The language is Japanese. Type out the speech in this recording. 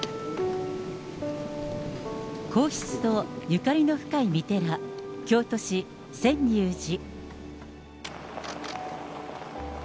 皇室とゆかりの深い御寺、京都市、泉涌寺。